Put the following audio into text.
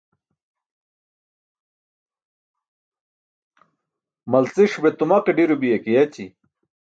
Malciṣ be tumaqee ḍi̇ro biya ke yaći̇.